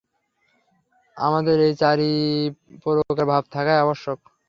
আমাদের এই চারি প্রকার ভাব থাকাই আবশ্যক।